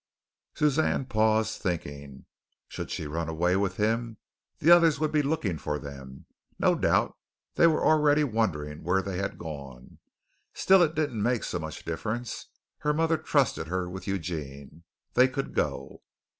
Suzanne paused, thinking. Should she run away with him? The others would be looking for them. No doubt they were already wondering where they had gone. Still it didn't make so much difference. Her mother trusted her with Eugene. They could go.